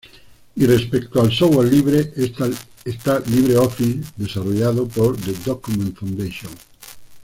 Y respecto al software libre, está LibreOffice, desarrollado por "The Document Foundation".